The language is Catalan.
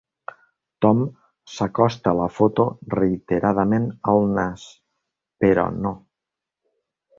Tom s'acosta la foto reiteradament al nas, però no.